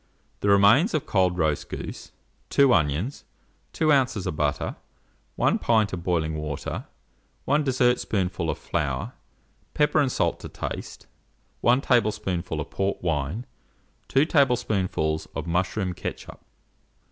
The remains of cold roast goose, 2 onions, 2 oz. of butter, 1 pint of boiling water, 1 dessertspoonful of flour, pepper and salt to taste, 1 tablespoonful of port wine, 2 tablespoonfuls of mushroom ketchup.